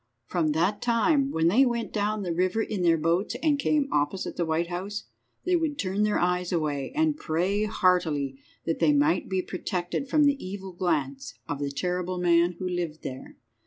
From that time, when they went down the river in their boats and came opposite to the White House, they would turn their eyes away, and pray heartily that they might be protected from the evil glance of the terrible man who lived there.